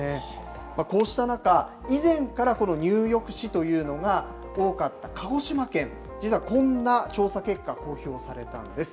こうした中、以前から、この入浴死というのが多かった鹿児島県、実はこんな調査結果、公表されたんです。